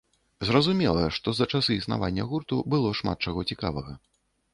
Зразумела, што за часы існавання гурту было шмат чаго цікавага.